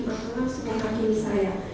berkenap sebuah hakimi saya